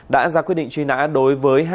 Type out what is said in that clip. đã ra quyết định truy nã đối với